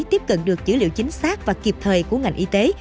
tiếp cận được dữ liệu chính xác và kịp thời của ngành y tế